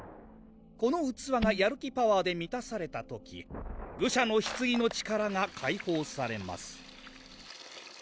この器がやる気パワーでみたされた時愚者の棺の力が解放されます